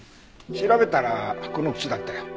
調べたらこの靴だったよ。